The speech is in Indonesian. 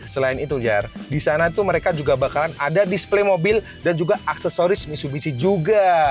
selain itu liar di sana itu mereka juga bakalan ada display mobil dan juga aksesoris mitsubishi juga